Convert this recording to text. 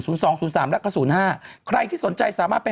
สองศูนย์สามแล้วก็ศูนย์ห้าใครที่สนใจสามารถไป